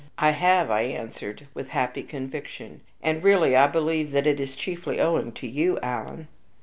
"I have," I answered, with happy conviction; "and really I believe that it is chiefly owing to you, Alan."